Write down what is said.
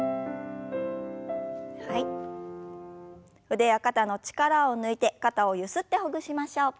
腕や肩の力を抜いて肩をゆすってほぐしましょう。